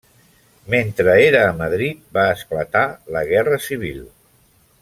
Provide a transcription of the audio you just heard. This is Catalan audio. Mentre era a Madrid va esclatar la Guerra Civil.